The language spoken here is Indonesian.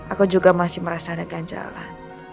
aku juga masih merasa ada ganjalan